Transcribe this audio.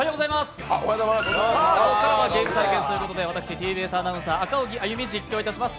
ここからはゲーム対決ということでＴＢＳアナウンサー・赤荻歩、実況いたします。